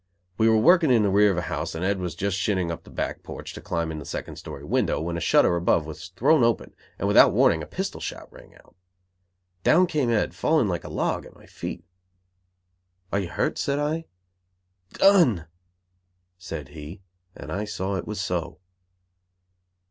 We were working in the rear of a house and Ed was just shinning up the back porch to climb in the second story window, when a shutter above was thrown open and, without warning, a pistol shot rang out. Down came Ed, falling like a log at my feet. "Are you hurt?" said I. "Done!" said he, and I saw it was so.